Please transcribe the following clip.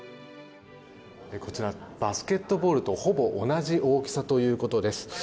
こちらバスケットボールとほぼ同じ大きさということです。